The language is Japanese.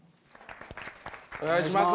お願いします。